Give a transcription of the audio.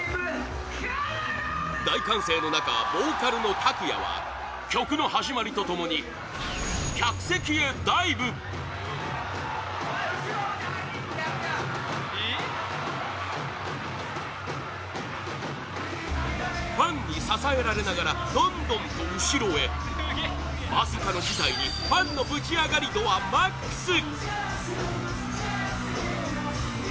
大歓声の中ボーカルのＴＡＫＵＹＡ∞は曲の始まりと共に客席へダイブファンに支えられながらどんどんと後ろへまさかの事態にファンのぶちアガり度はマックス！